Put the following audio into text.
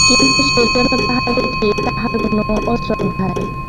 কিন্তু সেজন্য তাহার প্রতি তাঁহার কোনো অশ্রদ্ধা নাই।